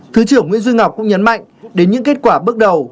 thứ trưởng nguyễn duy ngọc cũng nhấn mạnh đến những kết quả bước đầu